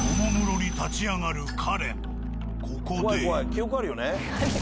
記憶あるよね？